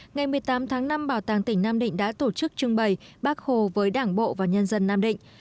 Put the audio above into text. ngày một mươi tám tháng năm bảo tàng tỉnh nam định đã tổ chức trưng bày bác hồ với đảng bộ và nhân dân nam định